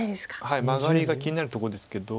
はいマガリが気になるとこですけど。